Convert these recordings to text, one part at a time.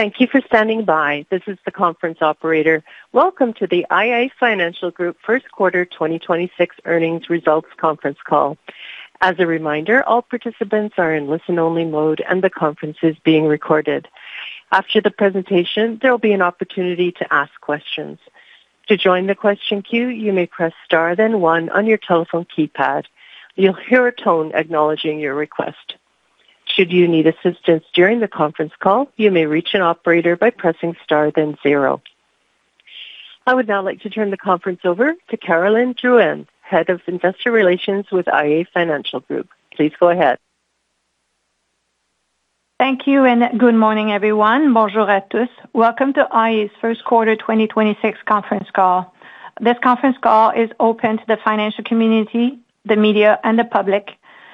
Thank you for standing by. This is the conference operator. Welcome to the iA Financial Group First Quarter 2026 earnings results conference call. As a reminder, all participants are in listen-only mode, and the conference is being recorded. After the presentation, there will be an opportunity to ask questions. To join the question queue, you may press star then one on your telephone keypad. You'll hear a tone acknowledging your request. Should you need assistance during the conference call, you may reach an operator by pressing star then zero. I would now like to turn the conference over to Caroline Drouin, Head of Investor Relations with iA Financial Group. Please go ahead. Thank you, and good morning, everyone. Bonjour à tous. Welcome to iA's first quarter 2026 conference call. This conference call is open to the financial community, the media, and the public,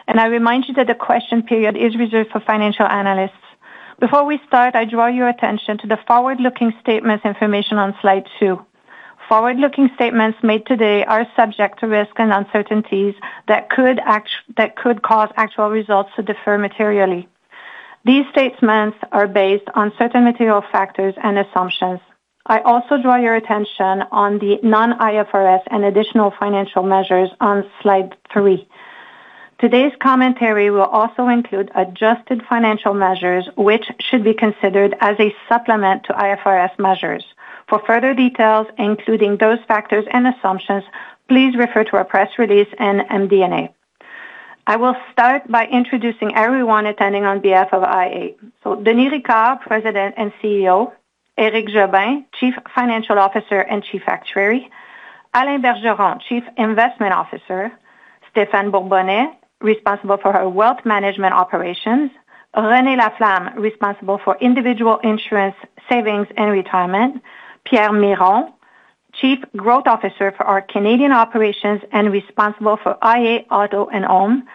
and I remind you that the question period is reserved for financial analysts. Before we start, I draw your attention to the forward-looking statements information on slide two. Forward-looking statements made today are subject to risks and uncertainties that could cause actual results to differ materially. These statements are based on certain material factors and assumptions. I also draw your attention on the non-IFRS and additional financial measures on slide three. Today's commentary will also include adjusted financial measures, which should be considered as a supplement to IFRS measures. For further details, including those factors and assumptions, please refer to our press release and MD&A. I will start by introducing everyone attending on behalf of iA. Denis Ricard, President and CEO. Éric Jobin, Chief Financial Officer and Chief Actuary. Alain Bergeron, Chief Investment Officer. Stephan Bourbonnais, responsible for our Wealth Management operations. Renée Laflamme, responsible for individual insurance, savings, and retirement. Pierre Miron, Chief Growth Officer for our Canadian operations and responsible for iA Auto and Home.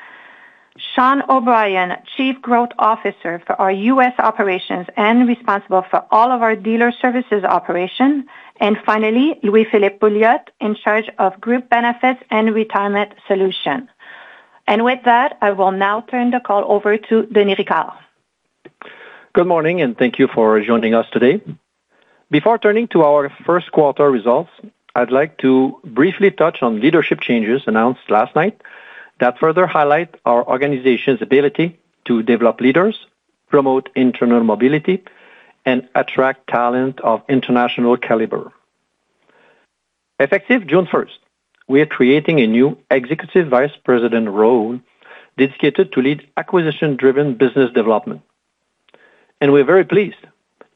Sean O'Brien, Chief Growth Officer for our U.S. operations and responsible for all of our Dealer Services operations. Finally, Louis-Philippe Pouliot, in charge of Group Benefits and Retirement Solutions. With that, I will now turn the call over to Denis Ricard. Good morning. Thank you for joining us today. Before turning to our first quarter results, I'd like to briefly touch on leadership changes announced last night that further highlight our organization's ability to develop leaders, promote internal mobility, and attract talent of international caliber. Effective June first, we are creating a new Executive Vice President role dedicated to lead acquisition-driven business development, and we're very pleased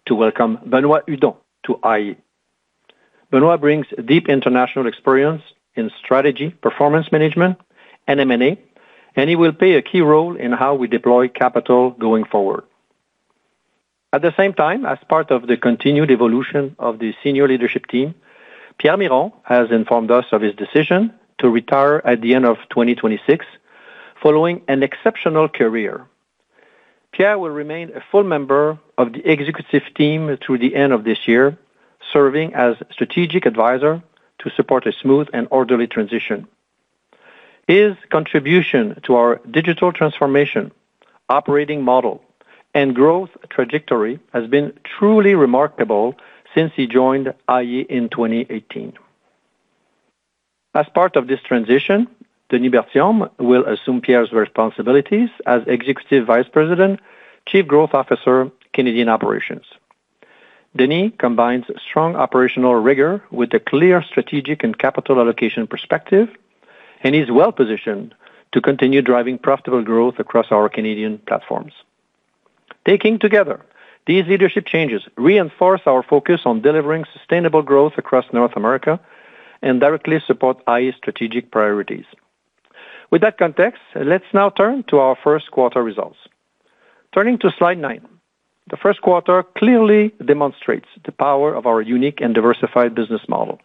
to welcome Benoit Hudon to iA. Benoit brings deep international experience in strategy, performance management, and M&A, and he will play a key role in how we deploy capital going forward. At the same time, as part of the continued evolution of the senior leadership team, Pierre Miron has informed us of his decision to retire at the end of 2026 following an exceptional career. Pierre will remain a full member of the executive team through the end of this year, serving as strategic advisor to support a smooth and orderly transition. His contribution to our digital transformation, operating model, and growth trajectory has been truly remarkable since he joined iA in 2018. As part of this transition, Denis Berthiaume will assume Pierre's responsibilities as Executive Vice President, Chief Growth Officer, Canadian Operations. Denis combines strong operational rigor with a clear strategic and capital allocation perspective and is well-positioned to continue driving profitable growth across our Canadian platforms. Taken together, these leadership changes reinforce our focus on delivering sustainable growth across North America and directly support iA's strategic priorities. With that context, let's now turn to our first quarter results. Turning to slide nine, the first quarter clearly demonstrates the power of our unique and diversified business model,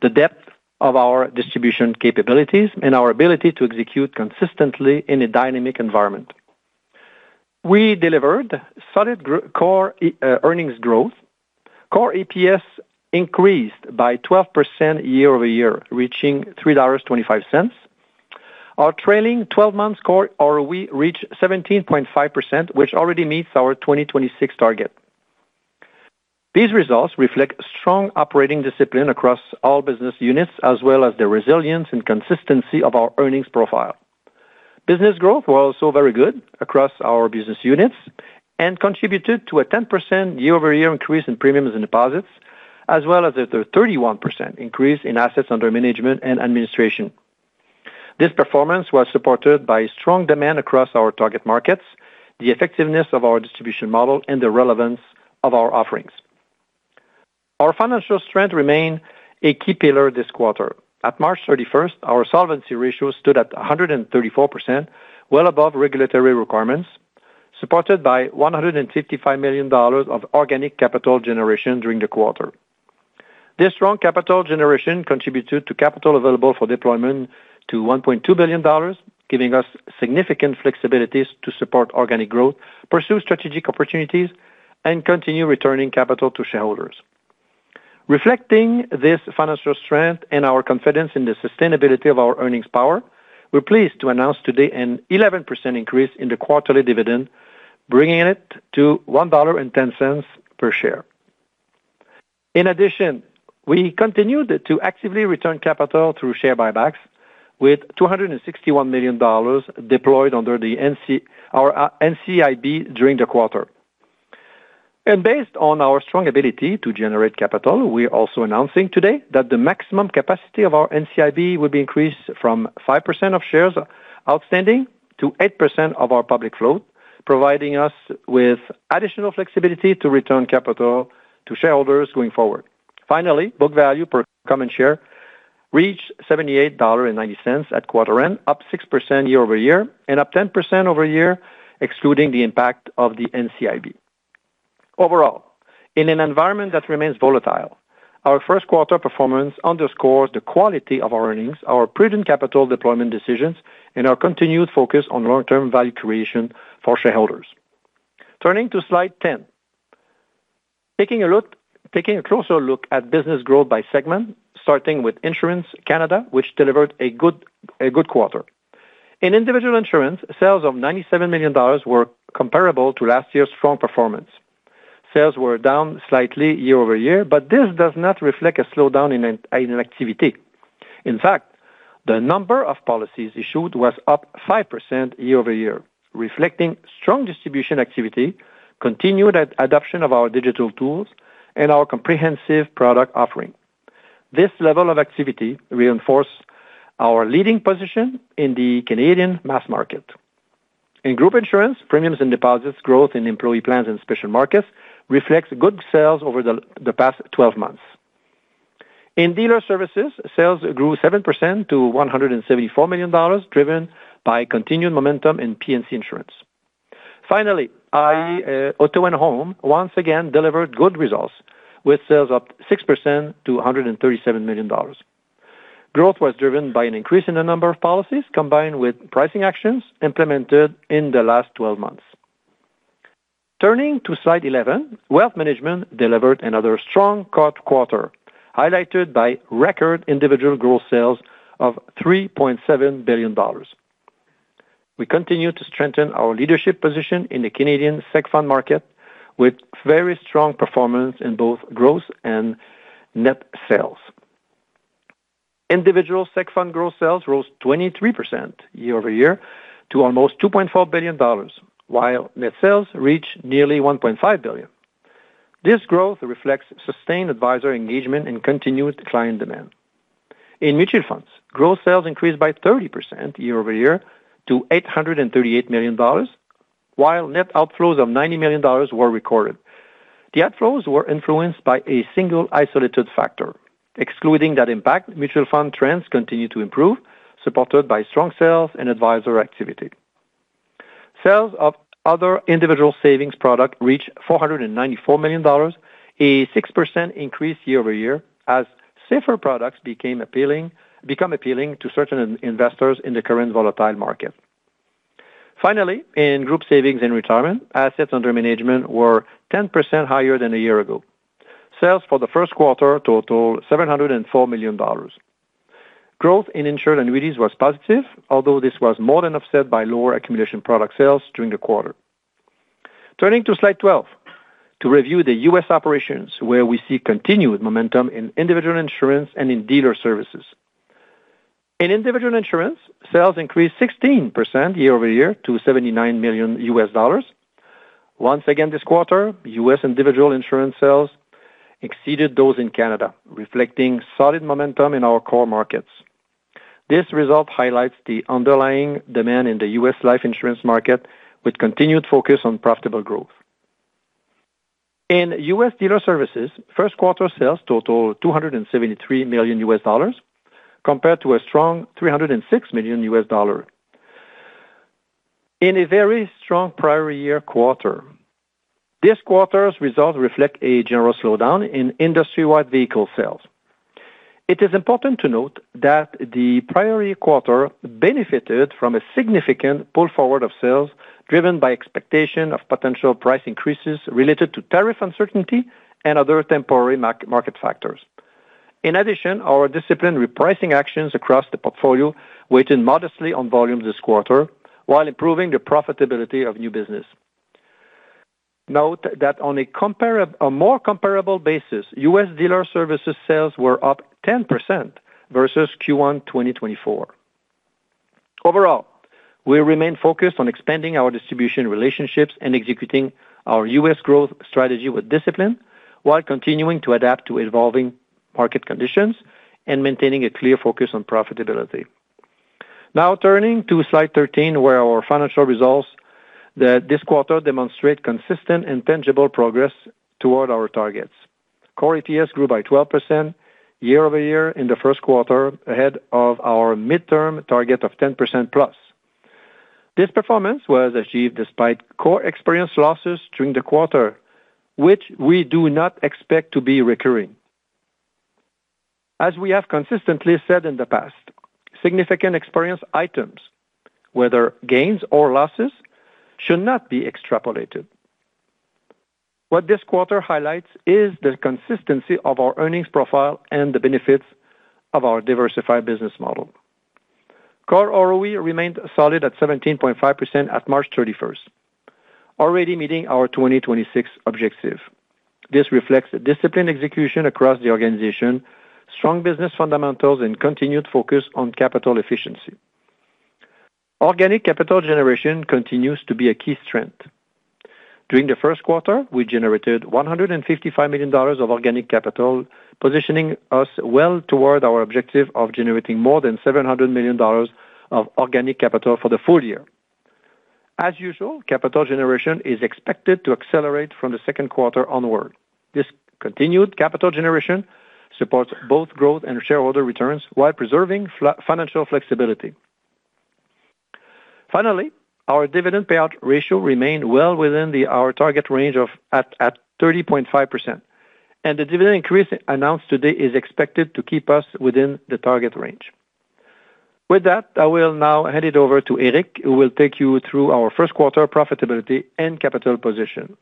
the depth of our distribution capabilities, and our ability to execute consistently in a dynamic environment. We delivered solid core earnings growth. Core EPS increased by 12% year-over-year, reaching CAD 3.25. Our trailing 12-month core ROE reached 17.5%, which already meets our 2026 target. These results reflect strong operating discipline across all business units, as well as the resilience and consistency of our earnings profile. Business growth was also very good across our business units and contributed to a 10% year-over-year increase in premiums and deposits, as well as a 31% increase in assets under management and administration. This performance was supported by strong demand across our target markets, the effectiveness of our distribution model, and the relevance of our offerings. Our financial strength remained a key pillar this quarter. At March 31st, our solvency ratio stood at 134%, well above regulatory requirements, supported by 155 million dollars of organic capital generation during the quarter. This strong capital generation contributed to capital available for deployment to 1.2 billion dollars, giving us significant flexibilities to support organic growth, pursue strategic opportunities, and continue returning capital to shareholders. Reflecting this financial strength and our confidence in the sustainability of our earnings power, we are pleased to announce today an 11% increase in the quarterly dividend, bringing it to 1.10 dollar per share. In addition, we continued to actively return capital through share buybacks with 261 million dollars deployed under our NCIB during the quarter. Based on our strong ability to generate capital, we're also announcing today that the maximum capacity of our NCIB will be increased from 5% of shares outstanding to 8% of our public float, providing us with additional flexibility to return capital to shareholders going forward. Finally, book value per common share reached 78.90 dollar at quarter end, up 6% year-over-year and up 10% over year, excluding the impact of the NCIB. Overall, in an environment that remains volatile, our first quarter performance underscores the quality of our earnings, our prudent capital deployment decisions, and our continued focus on long-term value creation for shareholders. Turning to slide 10. Taking a closer look at business growth by Segment, starting with Insurance, Canada, which delivered a good quarter. In Individual Insurance, sales of 97 million dollars were comparable to last year's strong performance. Sales were down slightly year-over-year, this does not reflect a slowdown in activity. In fact, the number of policies issued was up 5% year-over-year, reflecting strong distribution activity, continued adoption of our digital tools, and our comprehensive product offering. This level of activity reinforce our leading position in the Canadian mass market. In Group Insurance, premiums and deposits growth in employee plans and special markets reflects good sales over the past 12 months. In Dealer Services, sales grew 7% to 174 million dollars, driven by continued momentum in P&C insurance. Finally, iA Auto and Home once again delivered good results with sales up 6% to 137 million dollars. Growth was driven by an increase in the number of policies combined with pricing actions implemented in the last 12 months. Turning to slide 11, Wealth Management delivered another strong quarter, highlighted by record individual growth sales of 3.7 billion dollars. We continue to strengthen our leadership position in the Canadian seg fund market with very strong performance in both growth and net sales. Individual seg fund growth sales rose 23% year-over-year to almost 2.4 billion dollars, while net sales reached nearly 1.5 billion. This growth reflects sustained advisor engagement and continued client demand. In Mutual Funds, growth sales increased by 30% year-over-year to 838 million dollars, while net outflows of 90 million dollars were recorded. The outflows were influenced by a single isolated factor. Excluding that impact, mutual fund trends continued to improve, supported by strong sales and advisor activity. Sales of other individual savings product reached 494 million dollars, a 6% increase year-over-year as safer products become appealing to certain investors in the current volatile market. Finally, in Group Savings and Retirement, assets under management were 10% higher than a year ago. Sales for the first quarter totaled 704 million dollars. Growth in Insured Annuities was positive, although this was more than offset by lower Accumulation Product sales during the quarter. Turning to slide 12 to review the U.S. operations, where we see continued momentum in Individual Insurance and in Dealer Services. In Individual Insurance, sales increased 16% year-over-year to $79 million. Once again this quarter, U.S. Individual Insurance sales exceeded those in Canada, reflecting solid momentum in our core markets. This result highlights the underlying demand in the U.S. life insurance market with continued focus on profitable growth. In U.S. Dealer Services, first quarter sales totaled $273 million compared to a strong $306 million. In a very strong prior year quarter, this quarter's results reflect a general slowdown in industry-wide vehicle sales. It is important to note that the prior year quarter benefited from a significant pull forward of sales driven by expectation of potential price increases related to tariff uncertainty and other temporary market factors. In addition, our disciplined repricing actions across the portfolio weighed in modestly on volume this quarter, while improving the profitability of new business. Note that on a more comparable basis, U.S. Dealer Services sales were up 10% versus Q1 2024. Overall, we remain focused on expanding our distribution relationships and executing our U.S. growth strategy with discipline while continuing to adapt to evolving market conditions and maintaining a clear focus on profitability. Now turning to slide 13, where our financial results, this quarter demonstrate consistent and tangible progress toward our targets. Core ATS grew by 12% year-over-year in the first quarter, ahead of our midterm target of +10%. This performance was achieved despite core experience losses during the quarter, which we do not expect to be recurring. As we have consistently said in the past, significant experience items, whether gains or losses, should not be extrapolated. What this quarter highlights is the consistency of our earnings profile and the benefits of our diversified business model. Core ROE remained solid at 17.5% at March 31st, already meeting our 2026 objective. This reflects a disciplined execution across the organization, strong business fundamentals, and continued focus on capital efficiency. Organic capital generation continues to be a key strength. During the first quarter, we generated 155 million dollars of organic capital, positioning us well toward our objective of generating more than 700 million dollars of organic capital for the full year. As usual, capital generation is expected to accelerate from the second quarter onward. This continued capital generation supports both growth and shareholder returns while preserving financial flexibility. Finally, our dividend payout ratio remained well within our target range of at 30.5%, and the dividend increase announced today is expected to keep us within the target range. With that, I will now hand it over to Éric, who will take you through our first quarter profitability and capital position.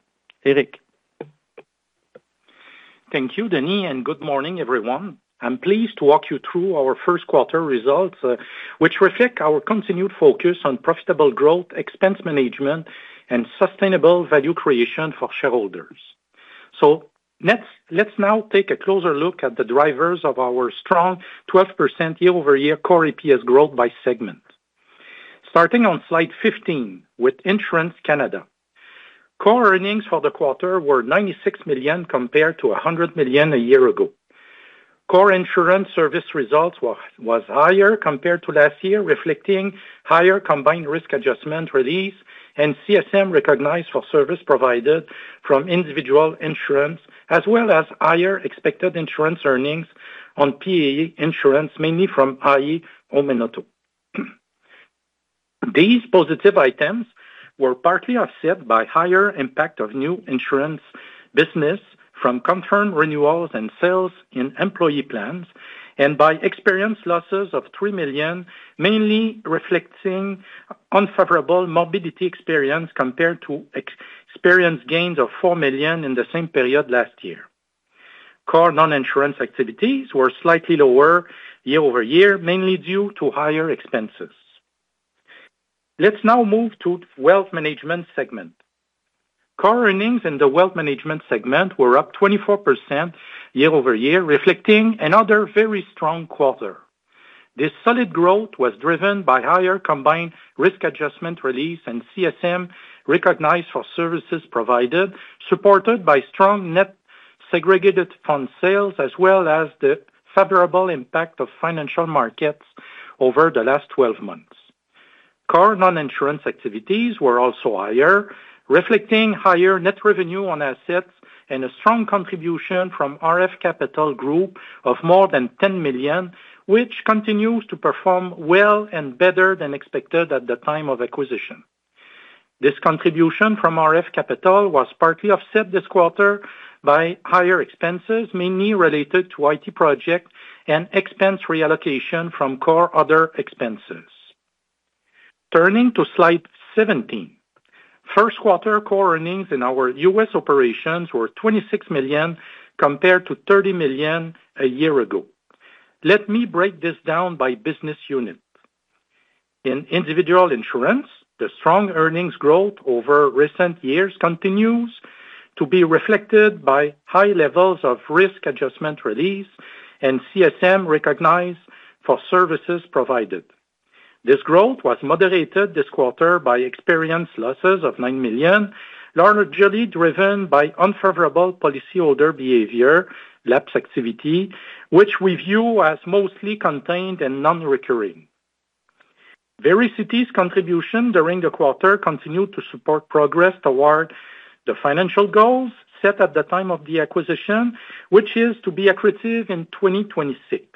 Éric. Thank you, Denis, and good morning, everyone. I'm pleased to walk you through our first quarter results, which reflect our continued focus on profitable growth, expense management, and sustainable value creation for shareholders. Let's now take a closer look at the drivers of our strong 12% year-over-year core EPS growth by segment. Starting on slide 15 with Insurance, Canada. Core earnings for the quarter were 96 million compared to 100 million a year ago. Core insurance service results was higher compared to last year, reflecting higher combined risk adjustment release and CSM recognized for service provided from Individual Insurance, as well as higher expected insurance earnings on PAA insurance, mainly from iA or Manitoba. These positive items were partly offset by higher impact of new insurance business from confirmed renewals and sales in employee plans and by experience losses of 3 million, mainly reflecting unfavorable morbidity experience compared to experienced gains of 4 million in the same period last year. Core non-insurance activities were slightly lower year-over-year, mainly due to higher expenses. Let's now move to Wealth Management segment. Core earnings in the Wealth Management segment were up 24% year-over-year, reflecting another very strong quarter. This solid growth was driven by higher combined risk adjustment release and CSM recognized for services provided, supported by strong net segregated fund sales as well as the favorable impact of financial markets over the last 12 months. Core non-insurance activities were also higher, reflecting higher net revenue on assets and a strong contribution from RF Capital Group of more than 10 million, which continues to perform well and better than expected at the time of acquisition. This contribution from RF Capital was partly offset this quarter by higher expenses, mainly related to IT projects and expense reallocation from core other expenses. Turning to slide 17, first quarter core earnings in our US Operations were 26 million compared to 30 million a year ago. Let me break this down by business unit. In individual insurance, the strong earnings growth over recent years continues to be reflected by high levels of risk adjustment release and CSM recognized for services provided. This growth was moderated this quarter by experience losses of 9 million, largely driven by unfavorable policyholder behavior lapse activity, which we view as mostly contained and non-recurring. Vericity's contribution during the quarter continued to support progress toward the financial goals set at the time of the acquisition, which is to be accretive in 2026.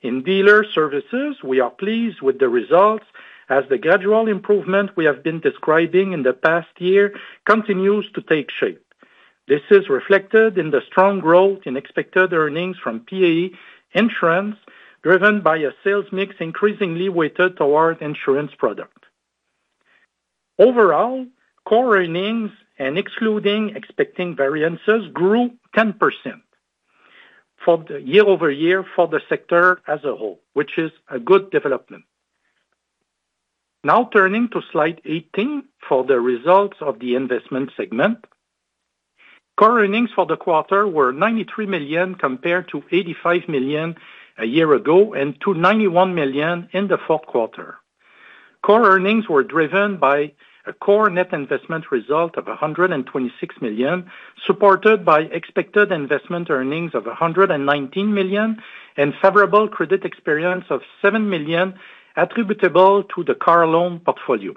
In Dealer Services, we are pleased with the results as the gradual improvement we have been describing in the past year continues to take shape. This is reflected in the strong growth in expected earnings from PAA insurance, driven by a sales mix increasingly weighted towards insurance product. Overall, core earnings and excluding expecting variances grew 10% year-over-year for the sector as a whole, which is a good development. Now turning to slide 18 for the results of the investment segment. Core earnings for the quarter were 93 million compared to 85 million a year ago and to 91 million in the fourth quarter. Core earnings were driven by a core net investment result of 126 million, supported by expected investment earnings of 119 million and favorable credit experience of 7 million attributable to the car loan portfolio.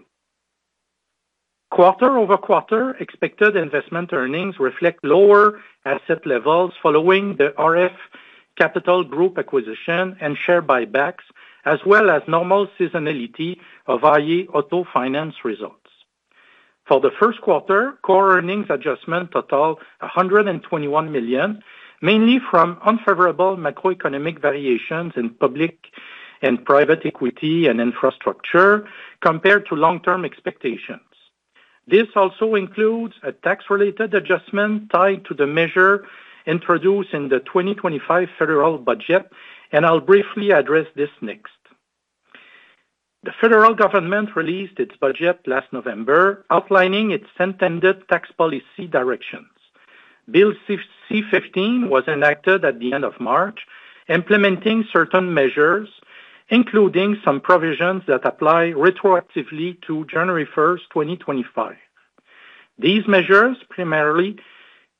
Quarter-over-quarter, expected investment earnings reflect lower asset levels following the RF Capital Group acquisition and share buybacks, as well as normal seasonality of iA Auto Finance results. Core earnings adjustment total 121 million, mainly from unfavorable macroeconomic variations in public and private equity and infrastructure compared to long-term expectations. This also includes a tax-related adjustment tied to the measure introduced in the 2025 federal budget. I'll briefly address this next. The federal government released its budget last November outlining its intended tax policy directions. Bill C-15 was enacted at the end of March, implementing certain measures, including some provisions that apply retroactively to January 1, 2025. These measures primarily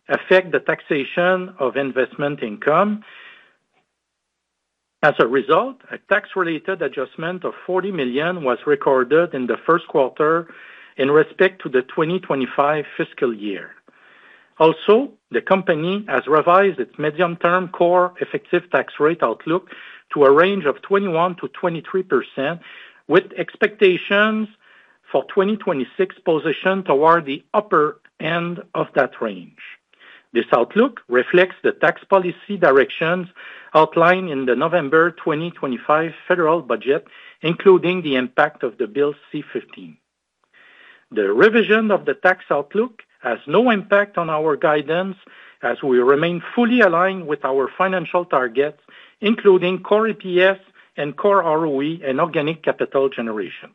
affect the taxation of investment income. As a result, a tax-related adjustment of CAD 40 million was recorded in the first quarter in respect to the 2025 fiscal year. The company has revised its medium-term core effective tax rate outlook to a range of 21%-23%, with expectations for 2026 positioned toward the upper end of that range. This outlook reflects the tax policy directions outlined in the November 2025 federal budget, including the impact of the Bill C-15. The revision of the tax outlook has no impact on our guidance as we remain fully aligned with our financial targets, including core EPS and core ROE and organic capital generation.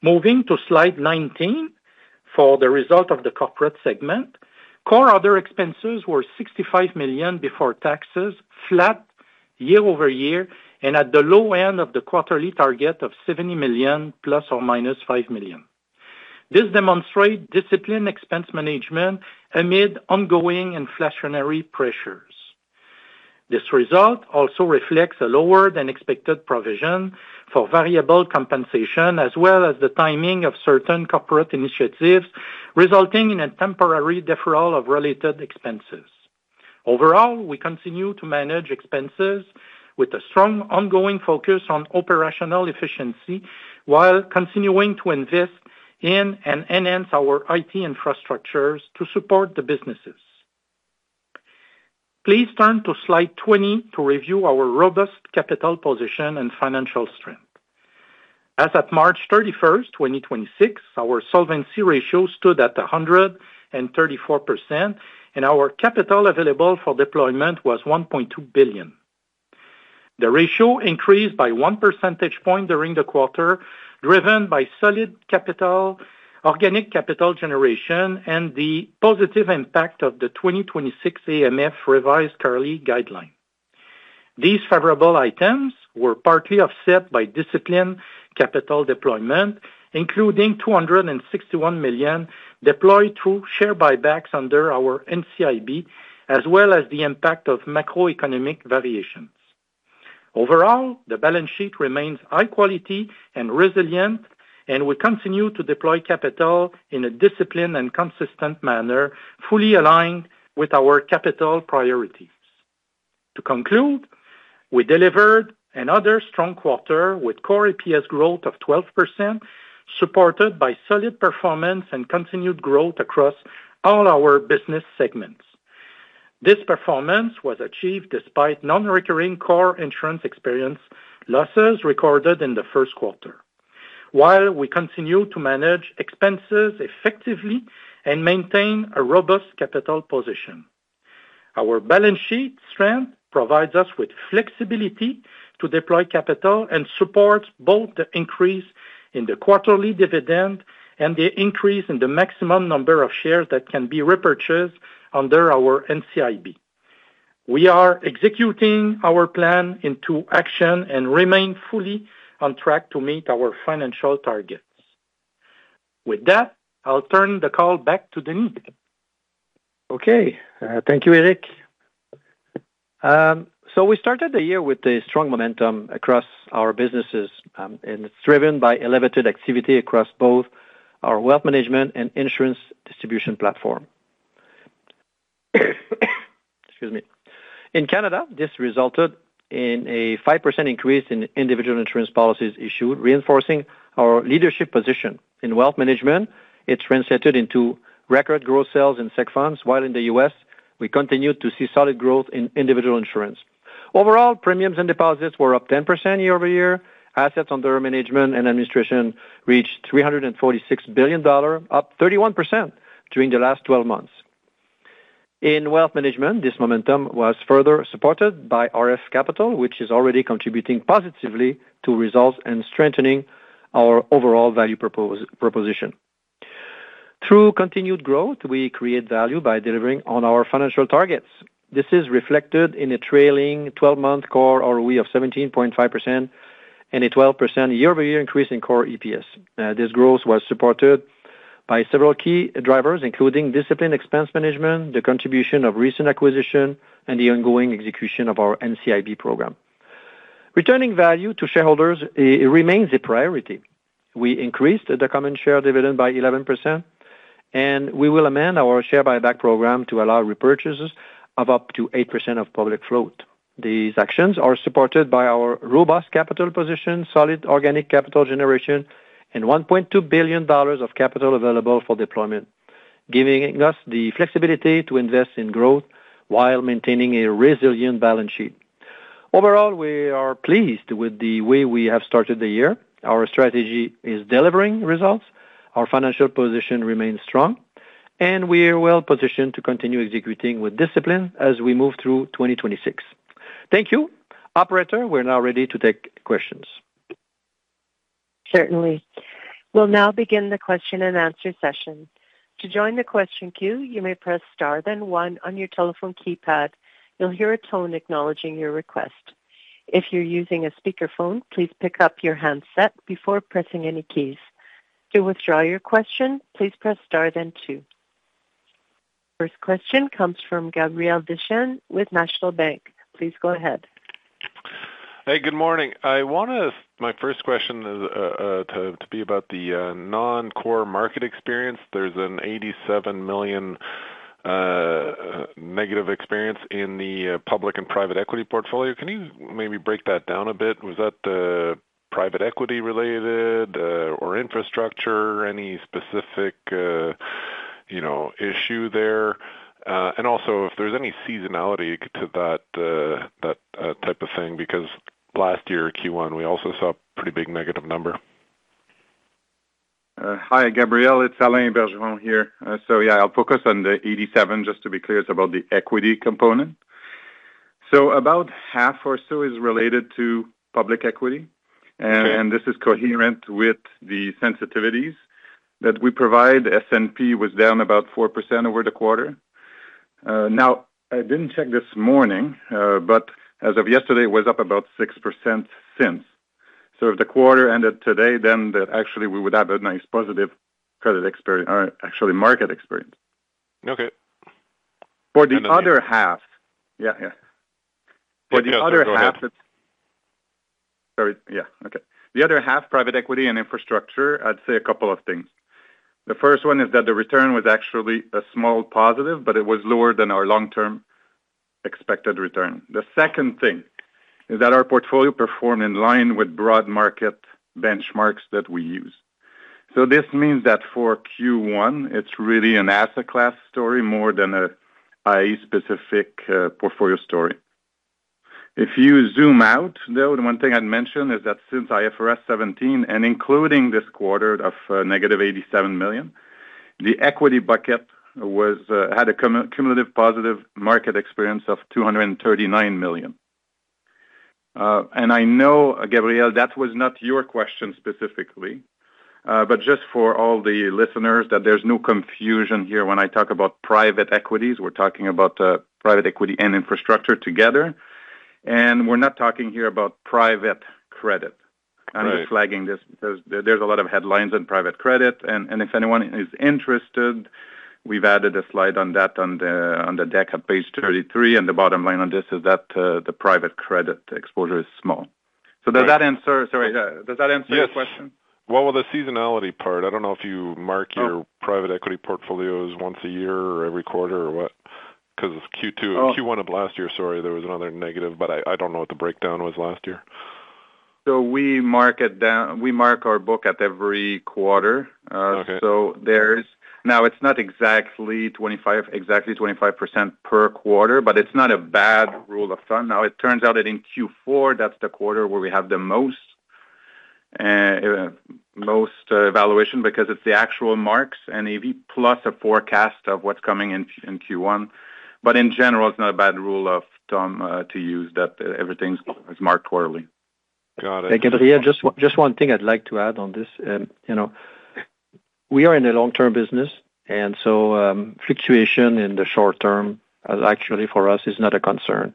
Moving to slide 19, for the result of the corporate segment, core other expenses were 65 million before taxes, flat year-over-year and at the low end of the quarterly target of 70 million ±5 million. This demonstrates disciplined expense management amid ongoing inflationary pressures. This result also reflects a lower than expected provision for variable compensation, as well as the timing of certain corporate initiatives, resulting in a temporary deferral of related expenses. Overall, we continue to manage expenses with a strong ongoing focus on operational efficiency while continuing to invest in and enhance our IT infrastructures to support the businesses. Please turn to slide 20 to review our robust capital position and financial strength. As at March 31st, 2026, our solvency ratio stood at 134%, and our capital available for deployment was 1.2 billion. The ratio increased by one percentage point during the quarter, driven by solid capital, organic capital generation, and the positive impact of the 2026 AMF revised CARLI guideline. These favorable items were partly offset by disciplined capital deployment, including 261 million deployed through share buybacks under our NCIB, as well as the impact of macroeconomic variations. Overall, the balance sheet remains high quality and resilient, and we continue to deploy capital in a disciplined and consistent manner, fully aligned with our capital priorities. To conclude, we delivered another strong quarter with core EPS growth of 12%, supported by solid performance and continued growth across all our business segments. This performance was achieved despite non-recurring core insurance experience losses recorded in the first quarter. While we continue to manage expenses effectively and maintain a robust capital position. Our balance sheet strength provides us with flexibility to deploy capital and support both the increase in the quarterly dividend and the increase in the maximum number of shares that can be repurchased under our NCIB. We are executing our plan into action and remain fully on track to meet our financial targets. With that, I'll turn the call back to Denis. Okay. Thank you, Éric. We started the year with a strong momentum across our businesses, and it's driven by elevated activity across both our Wealth Management and insurance distribution platform. Excuse me. In Canada, this resulted in a 5% increase in Individual Insurance policies issued, reinforcing our leadership position. In Wealth Management, it translated into record growth sales in seg funds, while in the U.S., we continued to see solid growth in Individual Insurance. Overall, premiums and deposits were up 10% year-over-year. Assets under management and administration reached 346 billion dollar, up 31% during the last 12 months. In Wealth Management, this momentum was further supported by RF Capital, which is already contributing positively to results and strengthening our overall value proposition. Through continued growth, we create value by delivering on our financial targets. This is reflected in a trailing twelve-month core ROE of 17.5% and a 12% year-over-year increase in core EPS. This growth was supported by several key drivers, including disciplined expense management, the contribution of recent acquisition, and the ongoing execution of our NCIB program. Returning value to shareholders, it remains a priority. We increased the common share dividend by 11%. We will amend our share buyback program to allow repurchases of up to 8% of public float. These actions are supported by our robust capital position, solid organic capital generation, and 1.2 billion dollars of capital available for deployment, giving us the flexibility to invest in growth while maintaining a resilient balance sheet. Overall, we are pleased with the way we have started the year. Our strategy is delivering results, our financial position remains strong, and we are well-positioned to continue executing with discipline as we move through 2026. Thank you. Operator, we're now ready to take questions. Certainly. We'll now begin the question-and-answer session. To join the question queue, you may press star then one on your telephone keypad. You'll hear a tone acknowledging your request. If you're using a speakerphone, please pick up your handset before pressing any keys. To withdraw your question, please press star then two. First question comes from Gabriel Dechaine with National Bank. Please go ahead. Hey, good morning. My first question is about the non-core market experience. There's a 87 million negative experience in the public and private equity portfolio. Can you maybe break that down a bit? Was that private equity related or infrastructure? Any specific, you know, issue there? Also, if there's any seasonality to that type of thing, because last year Q1, we also saw a pretty big negative number. Hi, Gabriel. It's Alain Bergeron here. Yeah, I'll focus on the 87. Just to be clear, it's about the equity component. About half or so is related to public equity. Okay. This is coherent with the sensitivities that we provide. S&P was down about 4% over the quarter. Now, I didn't check this morning, but as of yesterday, it was up about 6% since. If the quarter ended today, then actually we would have a nice positive credit experience, or actually market experience. Okay. For the other half, yeah. Yeah, go ahead. For the other half, private equity and infrastructure, I'd say a couple of things. The first one is that the return was actually a small positive, but it was lower than our long-term expected return. The second thing is that our portfolio performed in line with broad market benchmarks that we use. This means that for Q1, it's really an asset class story more than a specific portfolio story. If you zoom out, though, the 1 thing I'd mention is that since IFRS 17 and including this quarter of negative 87 million, the equity bucket was had a cumulative positive market experience of 239 million. I know, Gabriel, that was not your question specifically, but just for all the listeners that there's no confusion here when I talk about private equities, we're talking about private equity and infrastructure together, and we're not talking here about private credit. Right. I'm just flagging this because there's a lot of headlines on private credit, and if anyone is interested, we've added a slide on that on the deck at page 33, and the bottom line on this is that the private credit exposure is small. Right. Sorry, does that answer your question? Yes. What were the seasonality part? I don't know if you mark your-. Oh. private equity portfolios once a year or every quarter or what. Oh. Q1 of last year, sorry, there was another negative, but I don't know what the breakdown was last year. We mark our book at every quarter. Okay. Now it's not exactly 25% per quarter, but it's not a bad rule of thumb. Now it turns out that in Q4, that's the quarter where we have the most evaluation because it's the actual marks and EV plus a forecast of what's coming in Q1. In general, it's not a bad rule of thumb to use that everything is marked quarterly. Got it. Hey, Gabriel, just one thing I'd like to add on this. You know, we are in a long-term business, fluctuation in the short term actually for us is not a concern.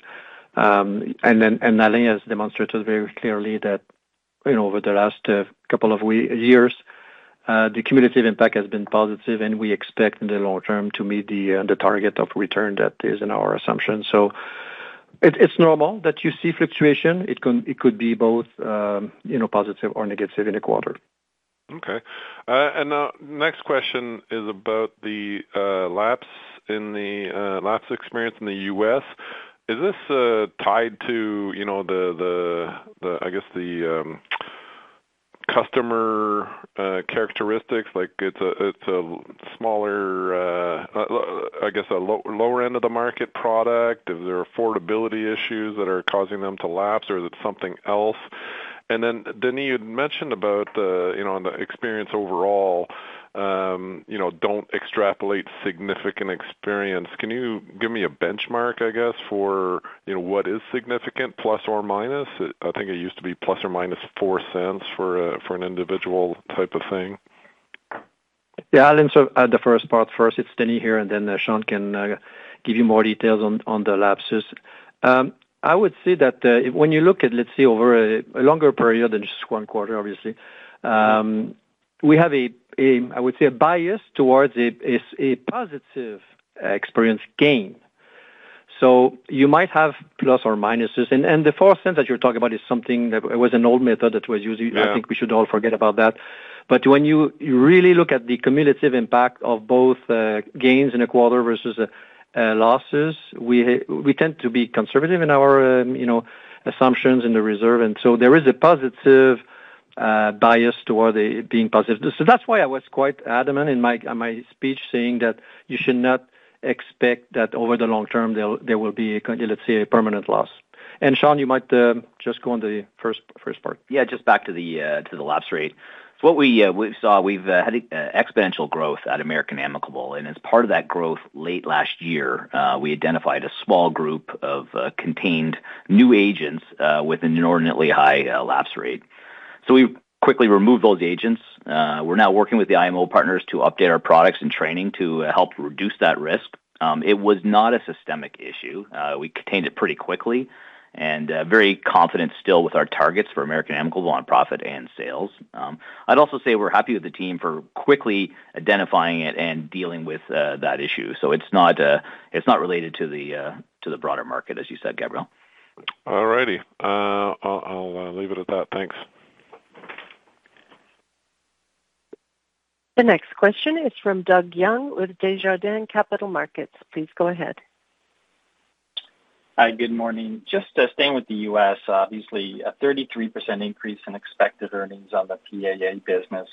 Alain has demonstrated very clearly that, you know, over the last couple of years, the cumulative impact has been positive, and we expect in the long term to meet the target of return that is in our assumption. It's normal that you see fluctuation. It could be both, you know, positive or negative in a quarter. Okay. Next question is about the lapse in the lapse experience in the U.S. Is this tied to, I guess, the customer characteristics? Like it's a smaller, I guess a lower end of the market product. Is there affordability issues that are causing them to lapse, or is it something else? Denis, you'd mentioned about the experience overall, don't extrapolate significant experience. Can you give me a benchmark, I guess, for what is significant, plus or minus? I think it used to be plus or minus 0.04 for an individual type of thing. Yeah, I'll answer the first part first. It's Denis here, and then Sean can give you more details on the lapses. I would say that when you look at, let's say, over a longer period than just one quarter, obviously, we have a, I would say, a bias towards a positive experience gain. So you might have plus or minuses. The fourth sense that you're talking about is something that it was an old method that was used. Yeah. I think we should all forget about that. When you really look at the cumulative impact of both gains in a quarter versus losses, we tend to be conservative in our, you know, assumptions in the reserve. There is a positive bias toward it being positive. That's why I was quite adamant in my speech saying that you should not expect that over the long term there will be a let's say, a permanent loss. Sean, you might just go on the first part. Yeah, just back to the to the lapse rate. What we saw, we've had exponential growth at American Amicable. As part of that growth late last year, we identified a small group of contained new agents with an inordinately high lapse rate. We quickly removed those agents. We're now working with the IMO partners to update our products and training to help reduce that risk. It was not a systemic issue. We contained it pretty quickly and very confident still with our targets for American Amicable on profit and sales. I'd also say we're happy with the team for quickly identifying it and dealing with that issue. It's not, it's not related to the to the broader market, as you said, Gabriel. All righty. I'll leave it at that. Thanks. The next question is from Doug with Desjardins Capital Markets. Please go ahead. Hi, good morning. Just staying with the U.S., obviously a 33% increase in expected earnings on the PAA business.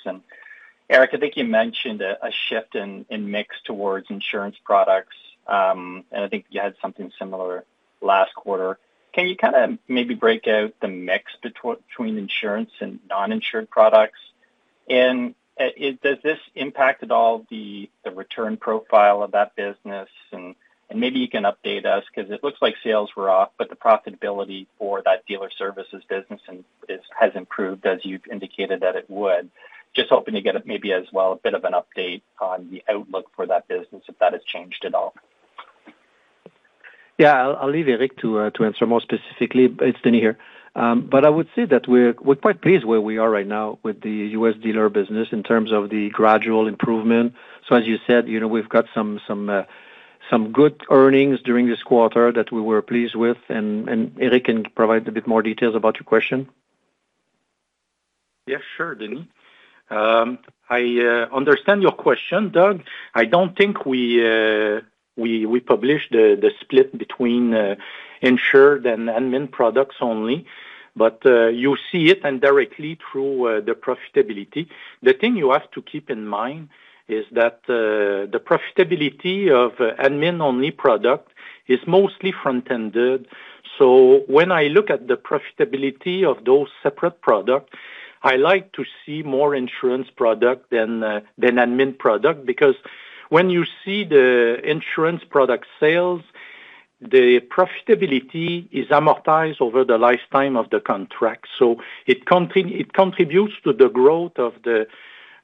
Éric, I think you mentioned a shift in mix towards insurance products. I think you had something similar last quarter. Can you kinda maybe break out the mix between insurance and non-insured products? Does this impact at all the return profile of that business? Maybe you can update us 'cause it looks like sales were off, but the profitability for that Dealer Services business has improved, as you've indicated that it would. Just hoping to get maybe as well a bit of an update on the outlook for that business, if that has changed at all. Yeah. I'll leave Éric Jobin to answer more specifically. It's Denis here. But I would say that we're quite pleased where we are right now with the U.S. Dealer Services business in terms of the gradual improvement. As you said, you know, we've got some good earnings during this quarter that we were pleased with. Éric Jobin can provide a bit more details about your question. Yeah, sure, Denis. I understand your question, Doug. I don't think we publish the split between insured and admin products only, but you see it indirectly through the profitability. The thing you have to keep in mind is that the profitability of admin-only product is mostly front-ended. When I look at the profitability of those separate products, I like to see more insurance product than admin product because when you see the insurance product sales, the profitability is amortized over the lifetime of the contract. It contributes to the growth of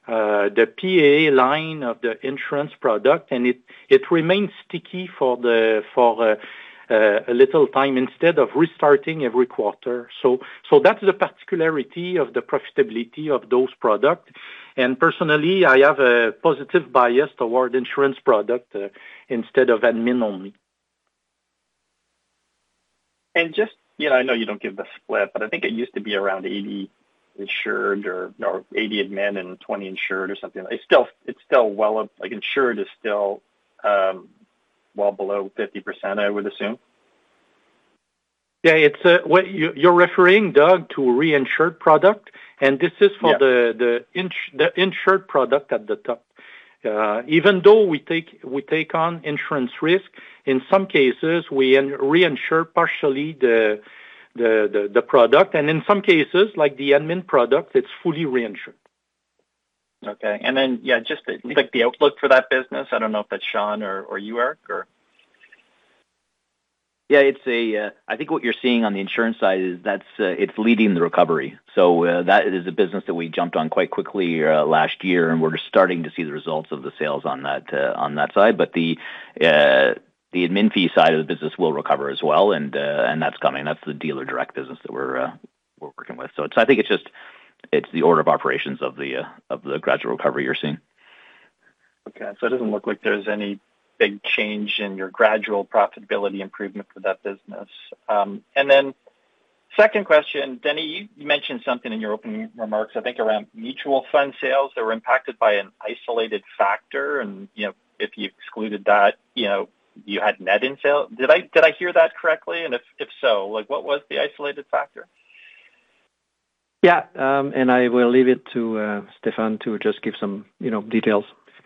the PAA line of the insurance product, and it remains sticky for a little time instead of restarting every quarter. That's the particularity of the profitability of those product. Personally, I have a positive bias toward insurance product, instead of admin-only. Just, you know, I know you don't give the split, I think it used to be around 80 insured or 80 admin and 20 insured or something. It's still like insured is still well below 50%, I would assume. Yeah. It's what you're referring, Doug, to reinsured product. Yeah for the insured product at the top. even though we take on insurance risk, in some cases, we reinsure partially the product. In some cases, like the admin product, it's fully reinsured. Okay. Yeah, just like the outlook for that business, I don't know if that's Sean or you, Éric. It's a, I think what you're seeing on the insurance side is that's, it's leading the recovery. That is a business that we jumped on quite quickly, last year, and we're just starting to see the results of the sales on that, on that side. The, the admin fee side of the business will recover as well, and that's coming. That's the dealer direct business that we're working with. I think it's just, it's the order of operations of the, of the gradual recovery you're seeing. Okay. It doesn't look like there's any big change in your gradual profitability improvement for that business. Second question, Denis, you mentioned something in your opening remarks, I think around mutual fund sales that were impacted by an isolated factor. You know, if you excluded that, you know, you had net in sale. Did I hear that correctly? If, if so, like, what was the isolated factor? Yeah. I will leave it to Stephan to just give some, you know, details.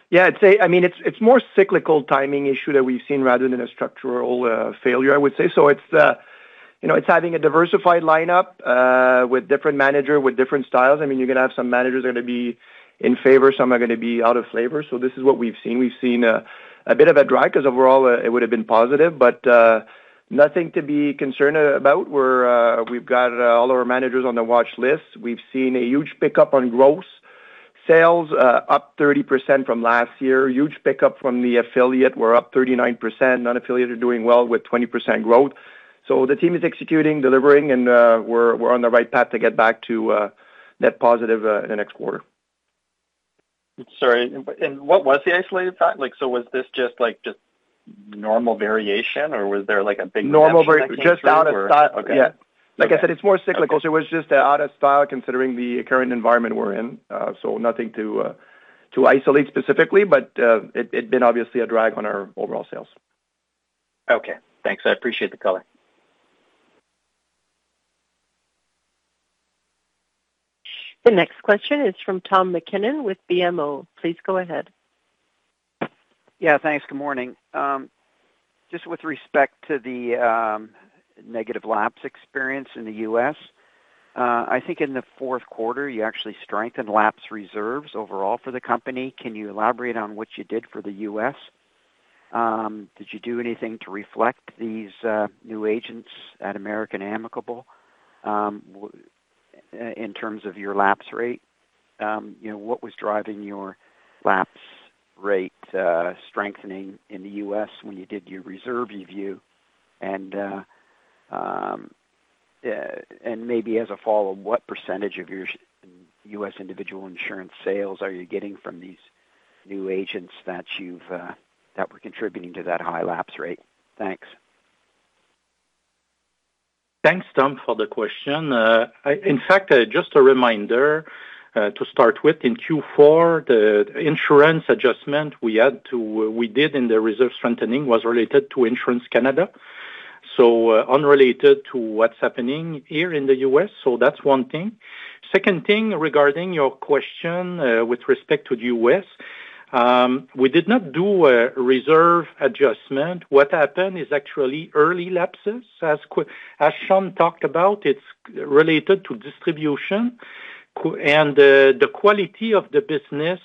Yeah, I'd say, I mean, it's more cyclical timing issue that we've seen rather than a structural failure, I would say. It's, you know, it's having a diversified lineup with different manager, with different styles. I mean, you're gonna have some managers are gonna be in favor, some are gonna be out of favor. This is what we've seen. We've seen a bit of a drag 'cause overall, it would have been positive, but nothing to be concerned about. We're, we've got all our managers on the watch list. We've seen a huge pickup on growth. Sales up 30% from last year. Huge pickup from the affiliate. We're up 39%. Non-affiliate are doing well with 20% growth. The team is executing, delivering, and we're on the right path to get back to net positive in the next quarter. Sorry, what was the isolated fact? Like, was this just, like, just normal variation or was there, like, a big Normal va-- just out of si- Okay. Yeah. Okay. Like I said, it's more cyclical. Okay. It was just, out of style considering the current environment we're in. Nothing to isolate specifically, but, it'd been obviously a drag on our overall sales. Okay. Thanks. I appreciate the color. The next question is from Tom MacKinnon with BMO. Please go ahead. Yeah. Thanks. Good morning. Just with respect to the negative lapse experience in the U.S., I think in the fourth quarter you actually strengthened lapse reserves overall for the company. Can you elaborate on what you did for the U.S.? Did you do anything to reflect these new agents at American Amicable? In terms of your lapse rate, you know, what was driving your lapse rate strengthening in the U.S. when you did your reserve review? Maybe as a follow, what % of your U.S. Individual Insurance sales are you getting from these new agents that you've that were contributing to that high lapse rate? Thanks. Thanks, Tom, for the question. In fact, just a reminder, to start with, in Q4 the insurance adjustment we did in the reserve strengthening was related to insurance Canada. Unrelated to what's happening here in the U.S. That's 1 thing. 2nd thing regarding your question, with respect to the U.S., we did not do a reserve adjustment. What happened is actually early lapses. As Sean talked about, it's related to distribution. The quality of the business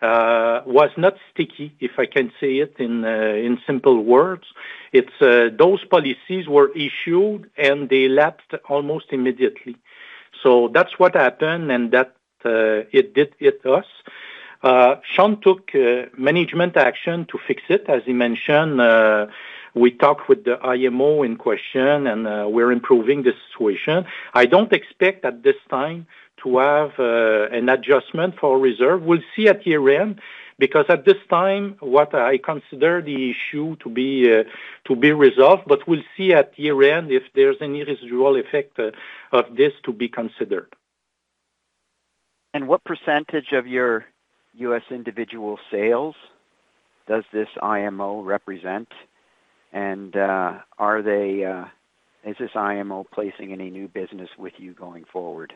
was not sticky, if I can say it in simple words. Those policies were issued, and they lapsed almost immediately. That's what happened and that, it did hit us. Sean took management action to fix it, as he mentioned. We talked with the IMO in question, and we're improving the situation. I don't expect at this time to have an adjustment for reserve. We'll see at year-end because at this time what I consider the issue to be to be resolved, but we'll see at year-end if there's any residual effect of this to be considered. What percentage of your U.S. individual sales does this IMO represent? Are they, is this IMO placing any new business with you going forward?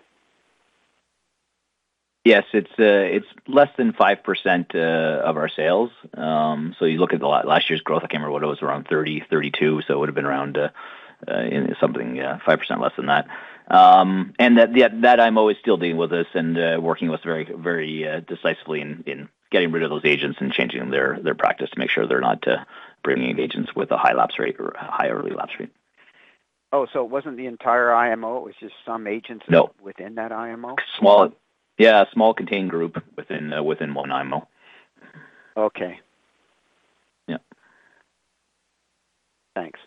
Yes. It's less than 5% of our sales. You look at last year's growth, I can't remember what it was, around 30, 32, it would have been around something 5% less than that. That, yeah, that IMO is still dealing with us and working with very decisively in getting rid of those agents and changing their practice to make sure they're not bringing in agents with a high lapse rate or high early lapse rate. It wasn't the entire IMO, it was just some agents. No within that IMO? Yeah, a small contained group within one IMO. Okay. Yeah. Thanks.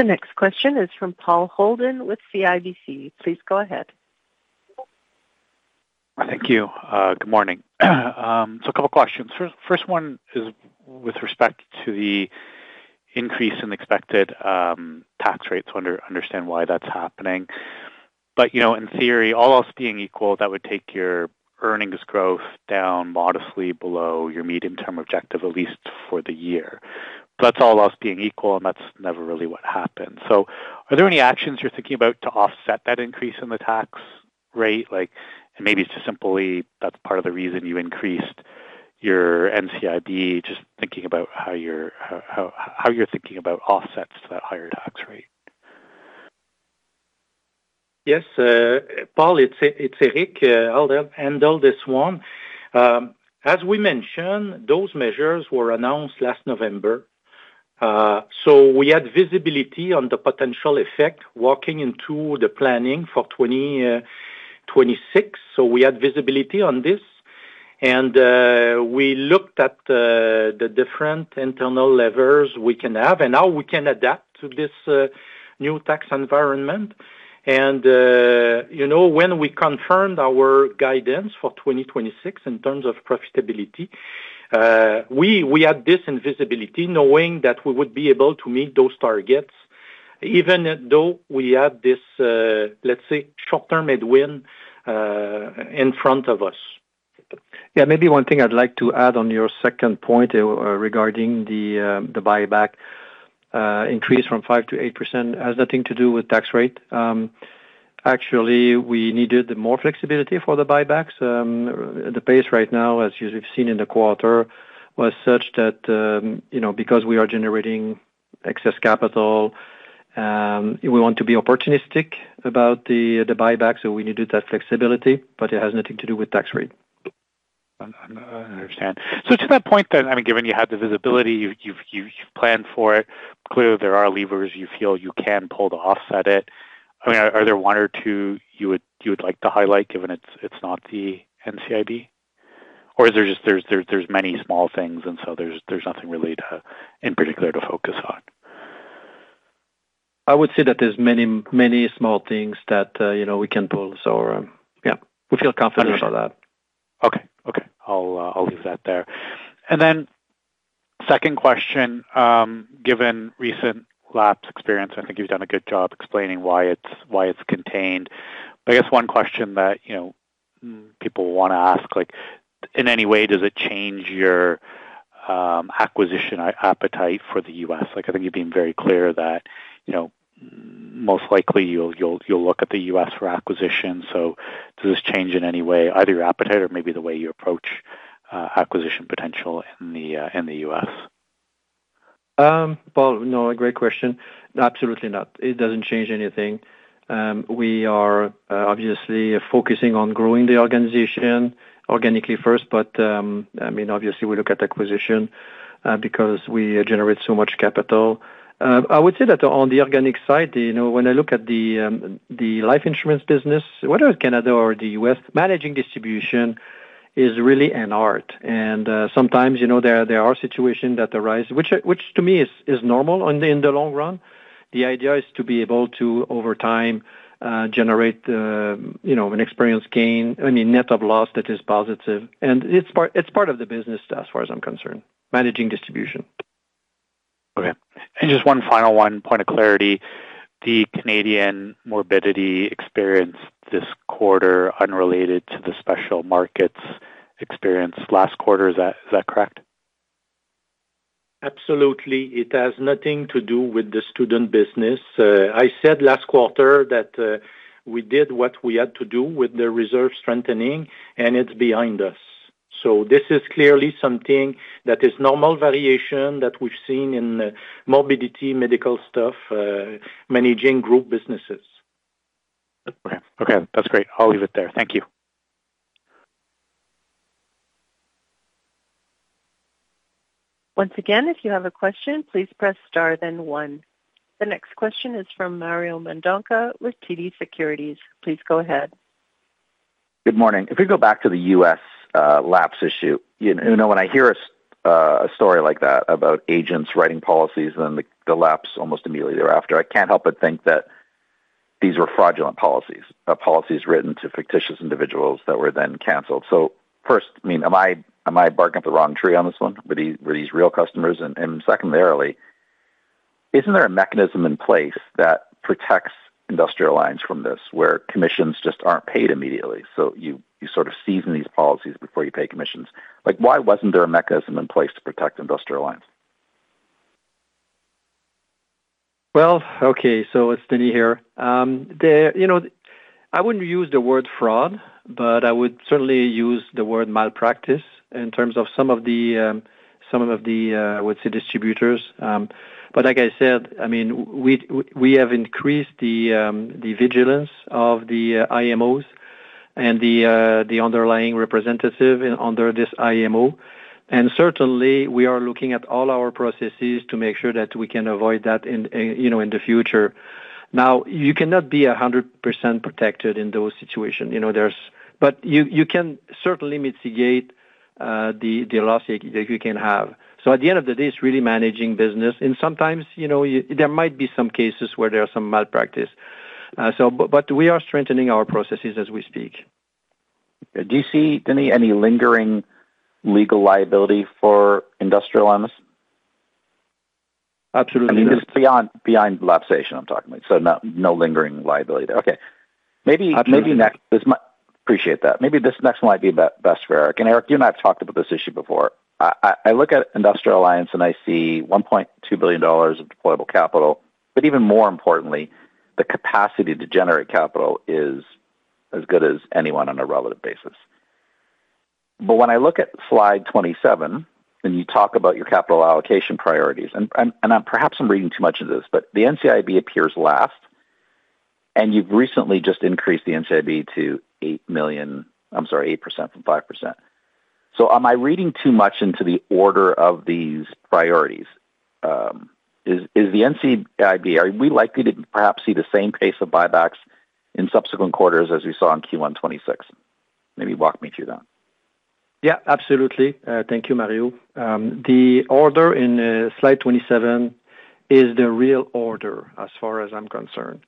The next question is from Paul Holden with CIBC. Please go ahead. Thank you. Good morning. A couple questions. 1st one is with respect to the increase in expected tax rates, understand why that's happening. You know, in theory, all else being equal, that would take your earnings growth down modestly below your medium-term objective, at least for the year. That's all else being equal, and that's never really what happens. Are there any actions you're thinking about to offset that increase in the tax rate? Like, maybe it's just simply that's part of the reason you increased your NCIB. Just thinking about how you're thinking about offsets to that higher tax rate. Yes. Paul, it's Éric. I'll handle this one. As we mentioned, those measures were announced last November. We had visibility on the potential effect working into the planning for 2026. We had visibility on this. We looked at the different internal levers we can have and how we can adapt to this new tax environment. You know, when we confirmed our guidance for 2026 in terms of profitability, we had this in visibility knowing that we would be able to meet those targets even though we had this, let's say, short-term headwind in front of us. Maybe one thing I'd like to add on your second point regarding the buyback increase from 5% to 8% has nothing to do with tax rate. Actually, we needed more flexibility for the buybacks. The pace right now, as you've seen in the quarter, was such that, you know, because we are generating excess capital, we want to be opportunistic about the buyback, so we needed that flexibility, but it has nothing to do with tax rate. Understand. To that point then, I mean, given you had the visibility, you've planned for it, clearly there are levers you feel you can pull to offset it. I mean, are there one or two you would like to highlight given it's not the NCIB? Is there just, there's many small things and so there's nothing really to, in particular to focus on? I would say that there's many small things that, you know, we can pull. Yeah, we feel confident about that. Okay. Okay. I'll leave that there. Second question, given recent lapse experience, I think you've done a good job explaining why it's contained. I guess one question that, you know, people want to ask, like in any way, does it change your acquisition appetite for the U.S.? Like, I think you've been very clear that, you know, most likely you'll look at the U.S. for acquisition. Does this change in any way either your appetite or maybe the way you approach acquisition potential in the U.S.? Paul, no, great question. Absolutely not. It doesn't change anything. We are, obviously focusing on growing the organization organically first, but, I mean, obviously we look at acquisition because we generate so much capital. I would say that on the organic side, you know, when I look at the life insurance business, whether it's Canada or the U.S., managing distribution is really an art. Sometimes, you know, there are situations that arise which to me is normal on the, in the long run. The idea is to be able to, over time, generate, you know, an experience gain, I mean, net of loss that is positive. It's part of the business as far as I'm concerned, managing distribution. Okay. Just one final one, point of clarity. The Canadian morbidity experience this quarter unrelated to the special markets experience last quarter, is that correct? Absolutely. It has nothing to do with the student business. I said last quarter that we did what we had to do with the reserve strengthening and it's behind us. This is clearly something that is normal variation that we've seen in morbidity medical stuff, managing group businesses. Okay. Okay. That's great. I'll leave it there. Thank you. Once again, if you have a question, please press star then one. The next question is from Mario Mendonca with TD Securities. Please go ahead. Good morning. If we go back to the U.S. lapse issue, you know, when I hear a story like that about agents writing policies and then the lapse almost immediately thereafter, I can't help but think that these were fraudulent policies written to fictitious individuals that were then canceled. First, I mean, am I barking up the wrong tree on this one? Were these real customers? Secondarily, isn't there a mechanism in place that protects Industrial Alliance from this, where commissions just aren't paid immediately, so you sort of season these policies before you pay commissions? Like why wasn't there a mechanism in place to protect Industrial Alliance? Well, okay, so it's Denis here. You know, I wouldn't use the word fraud, but I would certainly use the word malpractice in terms of some of the, some of the, I would say distributors. Like I said, I mean, we have increased the vigilance of the IMOs and the underlying representative in under this IMO. Certainly we are looking at all our processes to make sure that we can avoid that, you know, in the future. You cannot be 100% protected in those situation. You know, you can certainly mitigate the loss that you can have. At the end of the day, it's really managing business. Sometimes, you know, there might be some cases where there are some malpractice. But we are strengthening our processes as we speak. Do you see, Denis, any lingering legal liability for Industrial Alliance? Absolutely- I mean, just beyond lapsation, I'm talking about. No lingering liability there. Okay. Absolutely. Appreciate that. Maybe this next one might be best for Éric. Éric, you and I have talked about this issue before. I look at Industrial Alliance and I see 1.2 billion dollars of deployable capital, but even more importantly, the capacity to generate capital is as good as anyone on a relative basis. When I look at slide 27 and you talk about your capital allocation priorities, and perhaps I'm reading too much into this, the NCIB appears last, you've recently just increased the NCIB to 8% from 5%. Am I reading too much into the order of these priorities? Is the NCIB, are we likely to perhaps see the same pace of buybacks in subsequent quarters as we saw in Q1 2026? Maybe walk me through that. Yeah, absolutely. Thank you, Mario. The order in slide 27 is the real order as far as I'm concerned.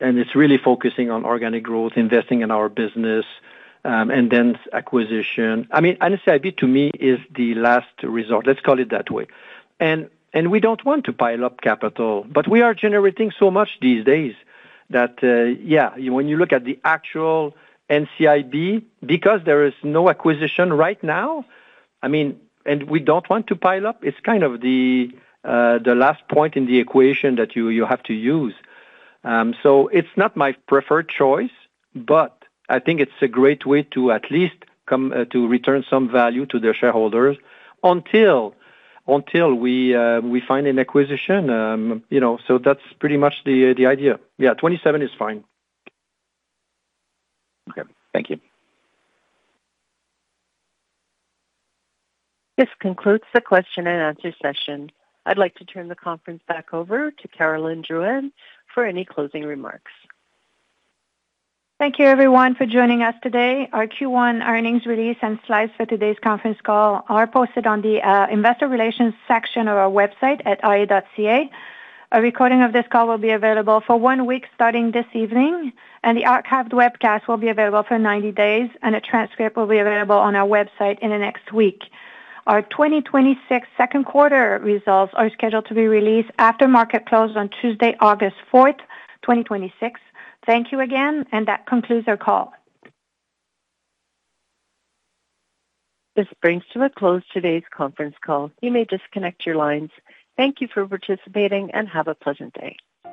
It's really focusing on organic growth, investing in our business, and then acquisition. I mean, NCIB to me is the last resort, let's call it that way. We don't want to pile up capital, but we are generating so much these days that, yeah, when you look at the actual NCIB, because there is no acquisition right now, I mean, we don't want to pile up. It's kind of the last point in the equation that you have to use. It's not my preferred choice, but I think it's a great way to at least come to return some value to the shareholders until we find an acquisition. you know, that's pretty much the idea. Yeah, 27 is fine. Okay. Thank you. This concludes the question and answer session. I'd like to turn the conference back over to Caroline Drouin for any closing remarks. Thank you everyone for joining us today. Our Q1 earnings release and slides for today's conference call are posted on the investor relations section of our website at ia.ca. A recording of this call will be available for 1 week starting this evening, and the archived webcast will be available for 90 days, and a transcript will be available on our website in the next week. Our 2026 second quarter results are scheduled to be released after market close on Tuesday, August fourth, 2026. Thank you again, and that concludes our call. This brings to a close today's conference call. You may disconnect your lines. Thank you for participating and have a pleasant day.